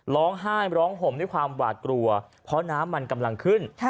ร้องไห้ร้องห่มด้วยความหวาดกลัวเพราะน้ำมันกำลังขึ้น